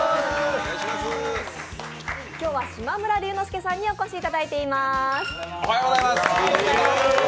今日は島村龍乃介さんにお越しいただいています。